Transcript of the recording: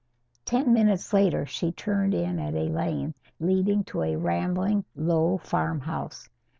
Ten minutes later she turned in at a lane leading to a rambling, low farmhouse.